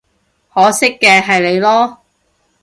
可惜嘅係你囉